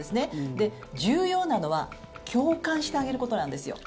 で、重要なのは共感してあげることなんですよ。